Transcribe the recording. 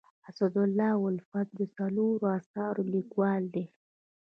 اسدالله الفت د څلورو اثارو لیکوال دی.